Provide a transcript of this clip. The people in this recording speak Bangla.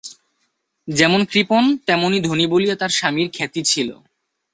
যেমন কৃপণ তেমনি ধনী বলিয়া তার স্বামীর খ্যাতি ছিল।